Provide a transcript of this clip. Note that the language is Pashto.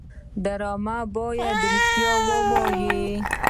ډرامه باید رښتیا ووايي